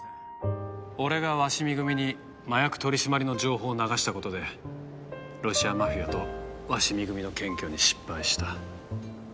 俺が鷲見組に麻薬取り締まりの情報を流した事でロシアマフィアと鷲見組の検挙に失敗した。